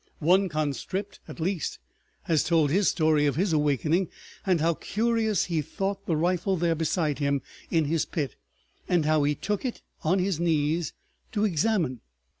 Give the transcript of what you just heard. One conscript, at least, has told his story of his awakening, and how curious he thought the rifle there beside him in his pit, how he took it on his knees to examine.